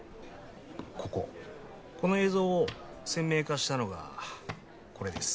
こここの映像を鮮明化したのがこれです